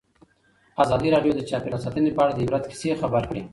ازادي راډیو د چاپیریال ساتنه په اړه د عبرت کیسې خبر کړي.